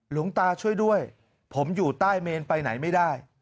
หลวงตาช่วยด้วยผมอยู่ใต้เมนไปไหนไม่ได้